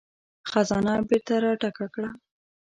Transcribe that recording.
خزانه بېرته را ډکه کړه.